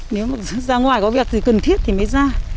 nếu mà ra ngoài có việc gì cần thiết thì mới ra